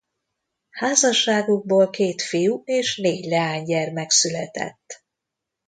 Házasságukból két fiú és négy leány gyermek született.